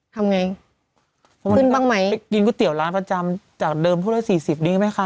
ทำไงขึ้นบ้างไหมไปกินก๋วยเตี๋ยวร้านประจำจากเดิมพูดละสี่สิบดีก็ไหมคะ